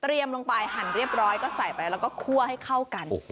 ลงไปหั่นเรียบร้อยก็ใส่ไปแล้วก็คั่วให้เข้ากัน